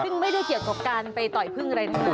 ซึ่งไม่ได้เกี่ยวกับการไปต่อยพึ่งอะไรนะคะ